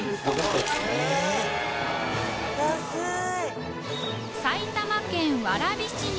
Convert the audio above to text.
安い！